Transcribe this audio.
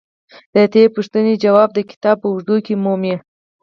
د دې پوښتنې ځواب د کتاب په اوږدو کې مومئ.